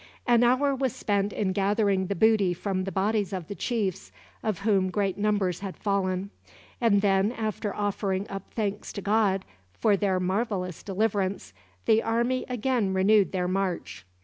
An hour was spent in gathering the booty from the bodies of the chiefs, of whom great numbers had fallen; and then, after offering up thanks to God for their marvelous deliverance, the army again renewed their march.